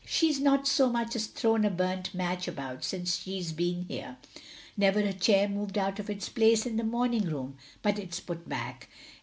She 's not so much as thrown a btimt match about since she 's been here. Never a chair moved out of its place in the moming room, but it 's put back.